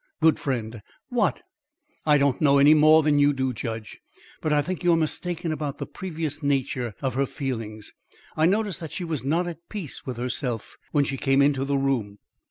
good friend, what?" "I don't know any more than you do, judge. But I think you are mistaken about the previous nature of her feelings. I noticed that she was not at peace with herself when she came into the room."